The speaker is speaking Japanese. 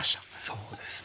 そうですね。